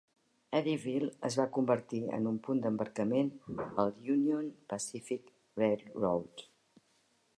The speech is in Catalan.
Eddyville es va convertir en un punt d'embarcament al Union Pacific Railroad.